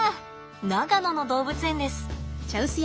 長野の動物園です。